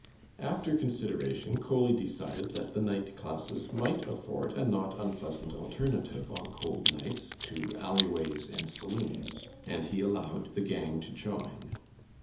After consideration, Coley decided that the night classes might afford a not unpleasant alternative on cold nights, to alley ways and saloons, and he allowed the gang to join.